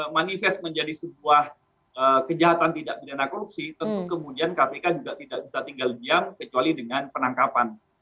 manifest menjadi sebuah kejahatan tidak pidana korupsi tentu kemudian kpk juga tidak bisa tinggal diam kecuali dengan penangkapan